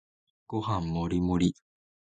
ご飯もりもり